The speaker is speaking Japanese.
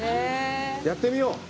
やってみよう。